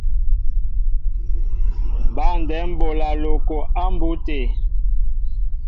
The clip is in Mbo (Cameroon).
Băndɛm bola loko a mbu té.